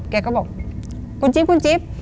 แกก็บอกคุณจิ๊บ